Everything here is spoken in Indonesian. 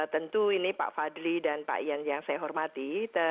tentu ini pak fadli dan pak ian yang saya hormati